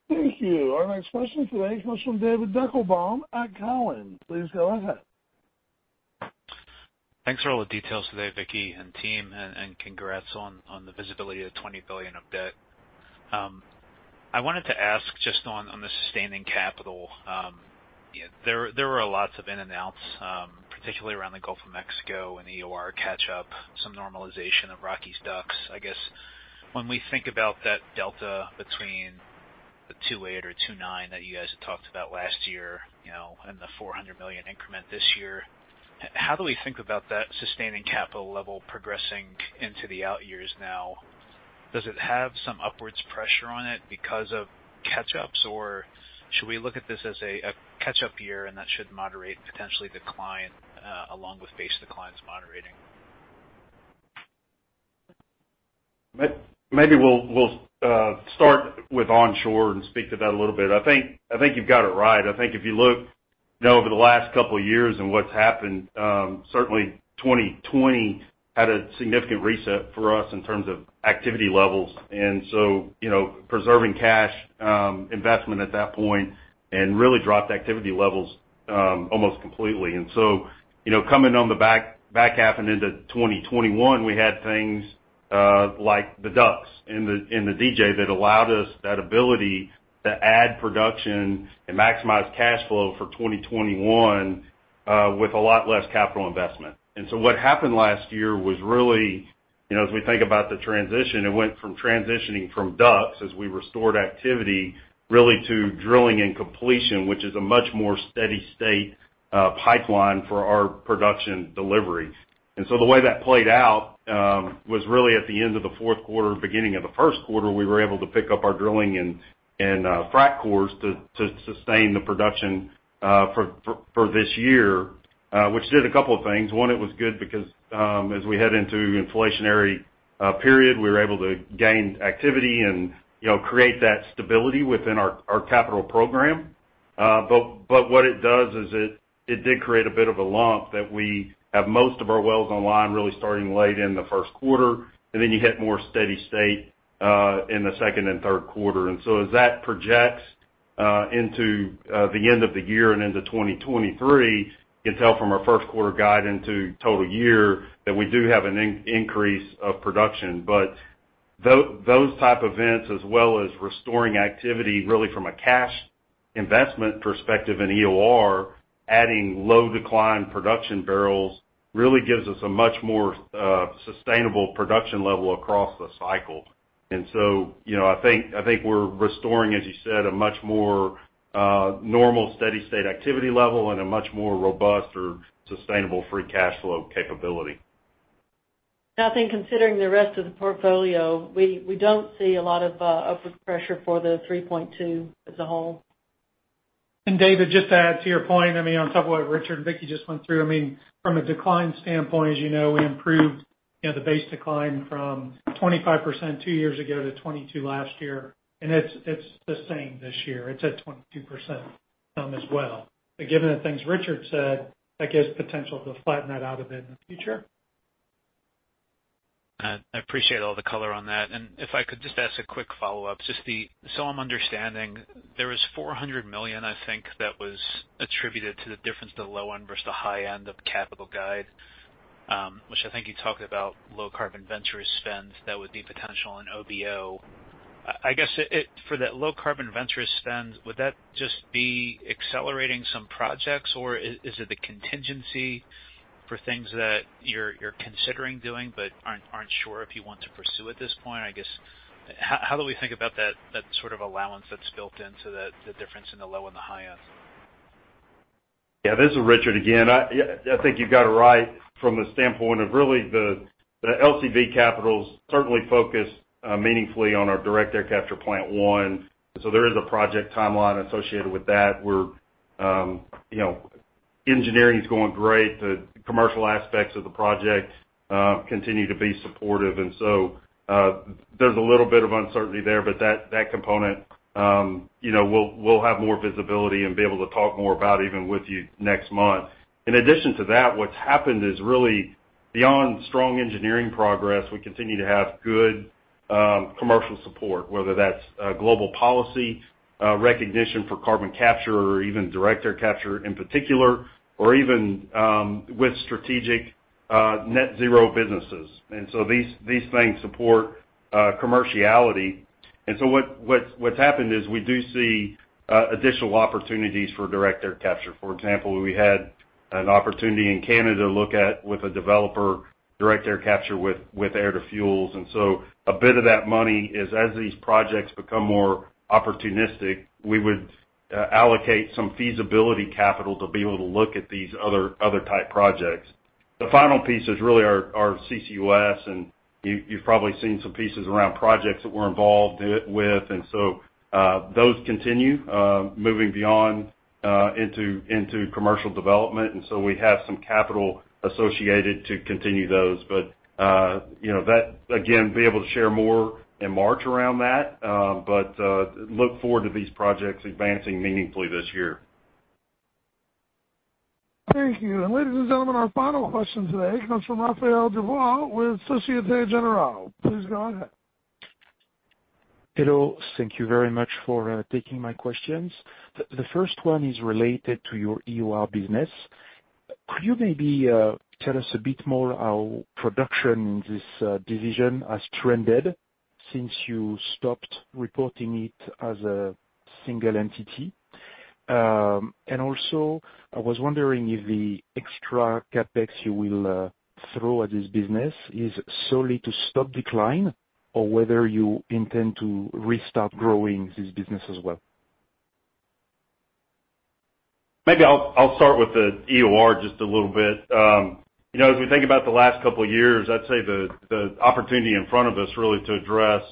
Thank you. Our next question comes from the line of David Deckelbaum at Cowen. Please go ahead. Thanks for all the details today, Vicki and team, and congrats on the visibility of $20 billion of debt. I wanted to ask just on the sustaining capital. There were lots of in and outs, particularly around the Gulf of Mexico and EOR catch up, some normalization of Rockies DUCs. I guess when we think about that delta between the $2.8 billion or $2.9 billion that you guys had talked about last year, you know, and the $400 million increment this year, how do we think about that sustaining capital level progressing into the out years now? Does it have some upwards pressure on it because of catch-ups? Or should we look at this as a catch-up year and that should moderate potentially decline, along with base declines moderating? Maybe we'll start with onshore and speak to that a little bit. I think you've got it right. I think if you look, you know, over the last couple of years and what's happened, certainly 2020 had a significant reset for us in terms of activity levels. You know, preserving cash investment at that point and really dropped activity levels almost completely. You know, coming on the back half and into 2021, we had things like the DUCs in the DJ that allowed us that ability to add production and maximize cash flow for 2021 with a lot less capital investment. What happened last year was really, you know, as we think about the transition, it went from transitioning from DUCs as we restored activity, really to drilling and completion, which is a much more steady state pipeline for our production delivery. The way that played out was really at the end of the fourth quarter, beginning of the first quarter, we were able to pick up our drilling and frac crews to sustain the production for this year, which did a couple of things. One, it was good because, as we head into inflationary period, we were able to gain activity and, you know, create that stability within our capital program. What it does is it did create a bit of a lump that we have most of our wells online really starting late in the first quarter, and then you hit more steady state in the second and third quarter. As that projects into the end of the year and into 2023, you can tell from our first quarter guide into total year that we do have an increase of production. Those type events, as well as restoring activity really from a cash investment perspective in EOR, adding low decline production barrels, really gives us a much more sustainable production level across the cycle. You know, I think we're restoring, as you said, a much more normal steady state activity level and a much more robust or sustainable free cash flow capability. I think considering the rest of the portfolio, we don't see a lot of upward pressure for the $3.2 billion as a whole. David, just to add to your point, I mean, on top of what Richard and Vicki just went through, I mean, from a decline standpoint, as you know, we improved, you know, the base decline from 25% two years ago to 22% last year. It's the same this year. It's at 22%, as well. Given the things Richard said, that gives potential to flatten that out a bit in the future. I appreciate all the color on that. If I could just ask a quick follow-up. I'm understanding there was $400 million, I think, that was attributed to the difference, the low end versus the high end of capital guide, which I think you talked about low-carbon ventures spends that would be potential in OBO. I guess it, for that low-carbon ventures spend, would that just be accelerating some projects, or is it a contingency for things that you're considering doing but aren't sure if you want to pursue at this point? I guess, how do we think about that sort of allowance that's built into that, the difference in the low and the high end? Yeah. This is Richard again. I think you've got it right from the standpoint of really the LCV capitals certainly focus meaningfully on our direct air capture plant one. There is a project timeline associated with that. Engineering is going great. The commercial aspects of the project continue to be supportive. There's a little bit of uncertainty there. That component, we'll have more visibility and be able to talk more about even with you next month. In addition to that, what's happened is really beyond strong engineering progress, we continue to have good commercial support, whether that's global policy recognition for carbon capture or even direct air capture in particular, or even with strategic net zero businesses. These things support commerciality. What's happened is we do see additional opportunities for direct air capture. For example, we had an opportunity in Canada to look at with a developer, direct air capture with AIR TO FUELS™. A bit of that money is, as these projects become more opportunistic, we would allocate some feasibility capital to be able to look at these other type projects. The final piece is really our CCUS, and you've probably seen some pieces around projects that we're involved with. Those continue moving beyond into commercial development. We have some capital associated to continue those. You know, that again be able to share more in March around that, but look forward to these projects advancing meaningfully this year. Thank you. Ladies and gentlemen, our final question today comes from Raphaël Dubois with Société Générale. Please go ahead. Hello. Thank you very much for taking my questions. The first one is related to your EOR business. Could you maybe tell us a bit more how production in this division has trended since you stopped reporting it as a single entity? And also, I was wondering if the extra CapEx you will throw at this business is solely to stop decline or whether you intend to restart growing this business as well. Maybe I'll start with the EOR just a little bit. If we think about the last couple years, I'd say the opportunity in front of us really to address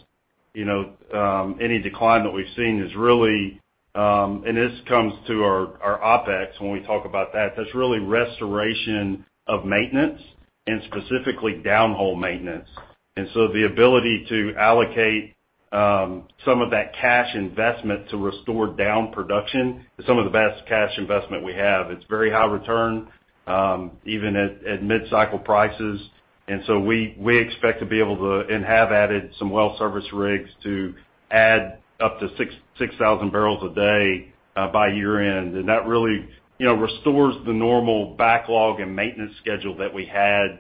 any decline that we've seen is really and this comes to our OpEx when we talk about that. That's really restoration of maintenance and specifically down-hole maintenance. The ability to allocate some of that cash investment to restore down production is some of the best cash investment we have. It's very high return even at mid-cycle prices. We expect to be able to and have added some well service rigs to add up to 6,000 barrels a day by year-end. That really, you know, restores the normal backlog and maintenance schedule that we had,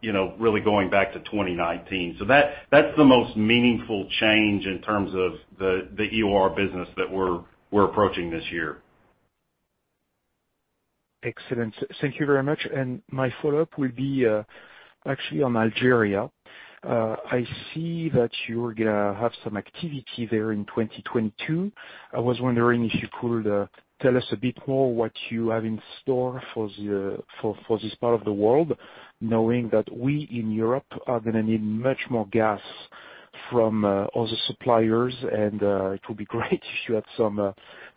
you know, really going back to 2019. That that's the most meaningful change in terms of the EOR business that we're approaching this year. Excellent. Thank you very much. My follow-up will be, actually on Algeria. I see that you're gonna have some activity there in 2022. I was wondering if you could tell us a bit more what you have in store for this part of the world, knowing that we in Europe are gonna need much more gas from other suppliers, and it would be great if you had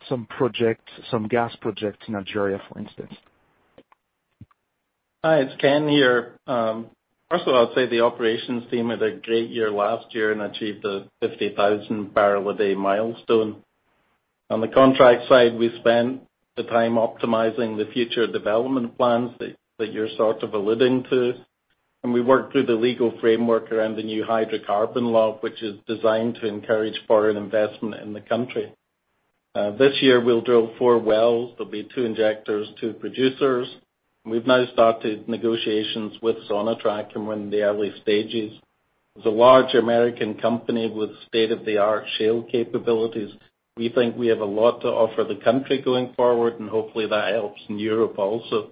some projects, some gas projects in Algeria, for instance. Hi, it's Ken here. First of all, I'd say the operations team had a great year last year and achieved a 50,000 barrel a day milestone. On the contract side, we spent the time optimizing the future development plans that you're sort of alluding to. We worked through the legal framework around the new hydrocarbon law, which is designed to encourage foreign investment in the country. This year, we'll drill four wells. There'll be two injectors, two producers. We've now started negotiations with Sonatrach and we're in the early stages. As a large American company with state-of-the-art shale capabilities, we think we have a lot to offer the country going forward, and hopefully that helps in Europe also.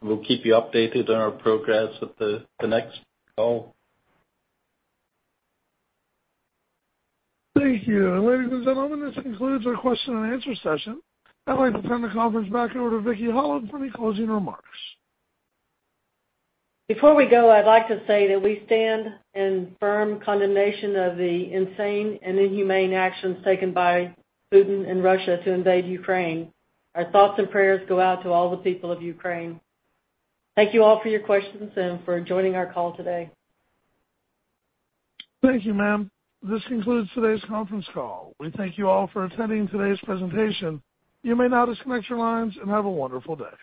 We'll keep you updated on our progress at the next call. Thank you. Ladies and gentlemen, this concludes our question and answer session. I'd like to turn the conference back over to Vicki Hollub for any closing remarks. Before we go, I'd like to say that we stand in firm condemnation of the insane and inhumane actions taken by Putin and Russia to invade Ukraine. Our thoughts and prayers go out to all the people of Ukraine. Thank you all for your questions and for joining our call today. Thank you, ma'am. This concludes today's conference call. We thank you all for attending today's presentation. You may now disconnect your lines and have a wonderful day.